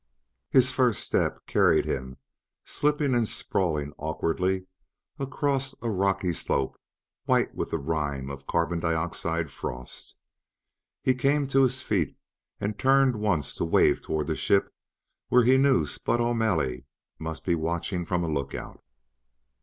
His first step carried him, slipping and sprawling awkwardly, across a rocky slope white with the rime of carbon dioxide frost. He came to his feet and turned once to wave toward the ship where he knew Spud O'Malley must be watching from a lookout.